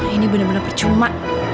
ini bener bener percuma